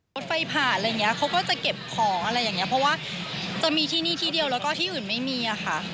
รถไฟผ่านอะไรอย่างเงี้ยเขาก็จะเก็บของอะไรอย่างเงี้ยเพราะว่าจะมีที่นี่ที่เดียวแล้วก็ที่อื่นไม่มีอะค่ะ